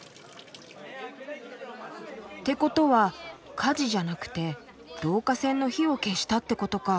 てことは火事じゃなくて導火線の火を消したってことか。